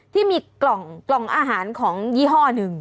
ที่มีกล่องอาหารของยี่ห้อหนึ่ง